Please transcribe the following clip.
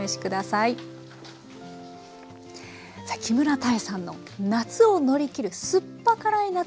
さあ木村多江さんの夏を乗り切る酸っぱ辛い夏